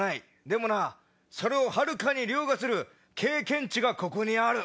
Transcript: でもなそれをはるかに凌駕する経験値がここにある。